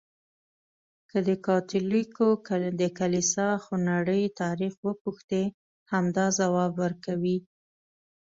که د کاتولیکو د کلیسا خونړی تاریخ وپوښتې، همدا ځواب ورکوي.